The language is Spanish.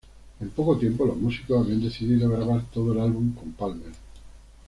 En poco tiempo, los músicos habían decidido grabar todo el álbum con Palmer.